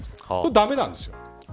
それ、駄目なんですよ。